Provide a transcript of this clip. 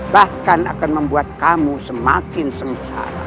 bahkan akan membuat kamu semakin sengsa